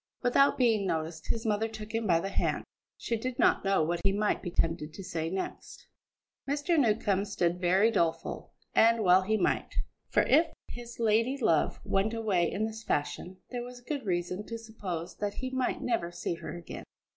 Without being noticed, his mother took him by the hand; she did not know what he might be tempted to say next. Mr. Newcombe stood very doleful. And well he might; for if his lady love went away in this fashion, there was good reason to suppose that he might never see her again.